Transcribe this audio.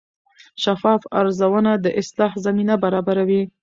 شفاف ارزونه د اصلاح زمینه برابروي.